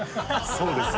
そうですね